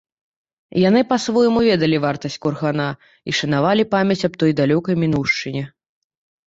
І яны па-свойму ведалі вартасць кургана і шанавалі памяць аб той далёкай мінуўшчыне.